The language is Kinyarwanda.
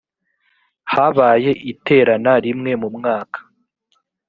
habaye iterana rimwe mu mwaka .